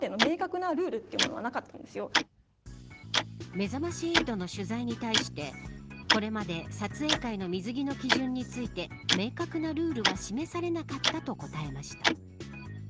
めざまし８の取材に対してこれまで撮影会の水着の基準について明確なルールは示されなかったと答えました。